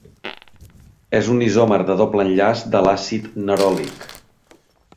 És un isòmer de doble enllaç de l"àcid neròlic.